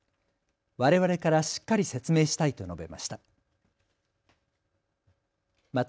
われわれからしっかり説明したいと述べました。